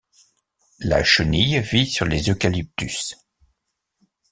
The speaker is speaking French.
La chenille vit sur les Eucalyptus.